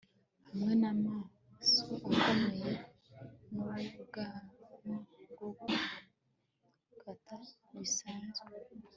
Hamwe namaso akomeye nubwanwa bwo gukata bisanzwe